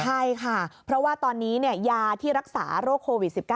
ใช่ค่ะเพราะว่าตอนนี้ยาที่รักษาโรคโควิด๑๙